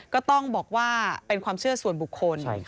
ก็ต้องบอกว่าเป็นความเชื่อส่วนบุคคล